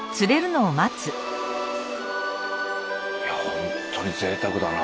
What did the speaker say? いやホントにぜいたくだな。